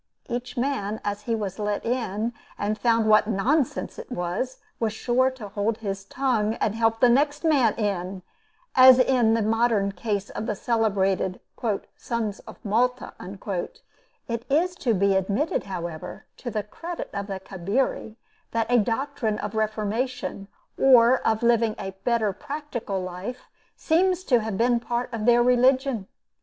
Each man, as he was let in, and found what nonsense it was, was sure to hold his tongue and help the next man in, as in the modern case of the celebrated "Sons of Malta." It is to be admitted, however, to the credit of the Cabiri, that a doctrine of reformation, or of living a better practical life, seems to have been part of their religion.